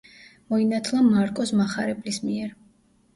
მოინათლა მარკოზ მახარებლის მიერ.